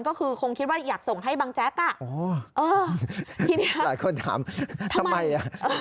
ก็คือคงคิดว่าอยากส่งให้บังแจ๊กอ่ะอ๋อเออทีนี้หลายคนถามทำไมอ่ะ